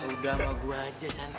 udah sama gue aja kan